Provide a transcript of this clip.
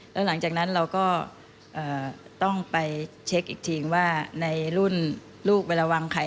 แล้วหลังจากนั้นเราก็ต้องไปเช็คอีกทีว่าในรุ่นลูกเวลาวางไข่